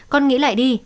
con nghĩ lại đi